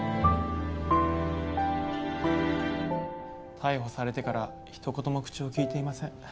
逮捕されてからひと言も口を利いていません。